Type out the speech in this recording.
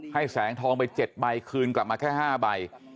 แสงทองไป๗ใบคืนกลับมาแค่๕ใบ